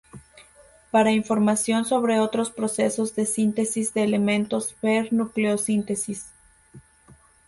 Para información sobre otros procesos de síntesis de elementos ver nucleosíntesis.